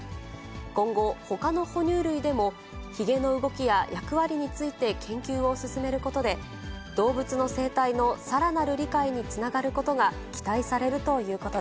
今後、ほかの哺乳類でもひげの動きや役割について研究を進めることで、動物の生態のさらなる理解につながることが期待されるということ